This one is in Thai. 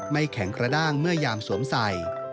แข็งกระด้างเมื่อยามสวมใส่